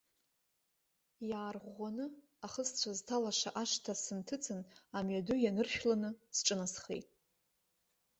Иаарӷәӷәаны, ахысцәа зҭалаша ашҭа сынҭыҵын, амҩаду ианыршәланы сҿынасхеит.